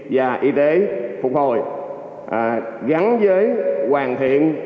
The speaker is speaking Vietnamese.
và y tế phục hồi gắn với hoàn thiện